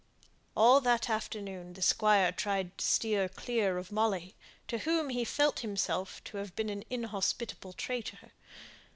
All that afternoon the Squire tried to steer clear of Molly, to whom he felt himself to have been an inhospitable traitor.